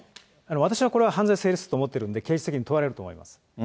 私はこれは、犯罪成立すると思ってるんで、刑事責任問われると思っています。